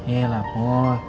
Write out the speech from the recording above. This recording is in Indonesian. eh lah poi